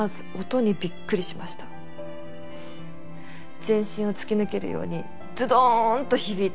全身を突き抜けるようにズドーンと響いて。